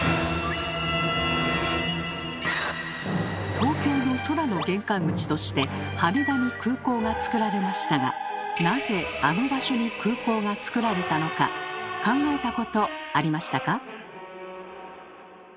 東京の空の玄関口として羽田に空港がつくられましたがなぜあの場所に空港がつくられたのか考えたことありましたか？